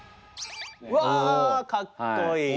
わあかっこいい！